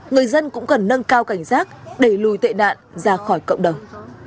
người dân cũng cần nâng cao cảnh giác đẩy lùi tệ nạn ra khỏi cộng đồng